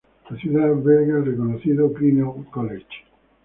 La ciudad alberga el reconocido Grinnell College.